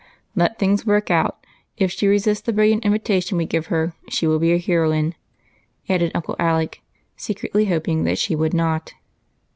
Let things work ; if she resists the brilliant in vitation we give her she will be a heroine," added Uncle Alec, secretly hoping that she would not.